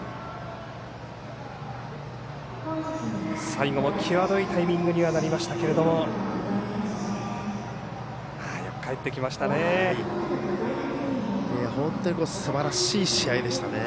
最後も際どいタイミングにはなりましたけれどもよくかえってきましたね。